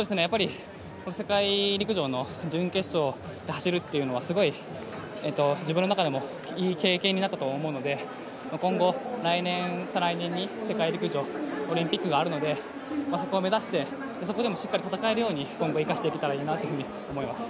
世界陸上の準決勝で走るというのはすごい自分の中でもいい経験になったと思うので今後、来年、再来年に世界陸上、オリンピックがあるのでそこを目指してそこでもしっかり戦えるように今後、生かしていけたらいいなと思います。